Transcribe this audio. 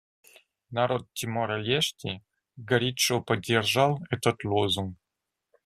Народ Тимора-Лешти горячо поддержал этот лозунг.